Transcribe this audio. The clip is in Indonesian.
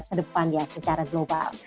ke depan ya secara global